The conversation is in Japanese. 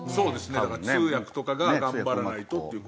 だから通訳とかが頑張らないとっていう事。